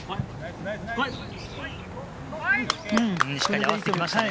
しっかり合わせてきましたね。